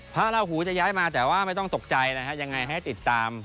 พระอาหูจะย้ายมาแต่ไม่ต้องตกใจยังไงให้ติดตาม